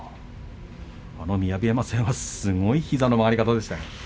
雅山戦はすごい膝の割り方でしたね。